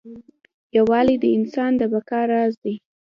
یووالی د انسان د بقا راز دی.